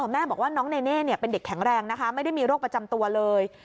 แม่บอกว่าน้องเนเน่เป็นเด็กแข็งแรงนะคะไม่ได้มีโรคประจำตัวเลย